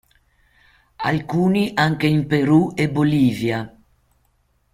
Alcuni anche in Perù e Bolivia.